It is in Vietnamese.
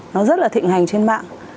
nó rất là thịnh hành trên mạng